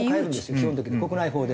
基本的に国内法で。